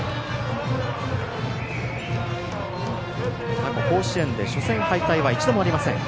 過去、甲子園で初戦敗退は一度もありません。